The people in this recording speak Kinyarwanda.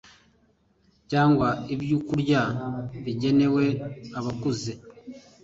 cyangwa ibyokurya bigenewe abakuze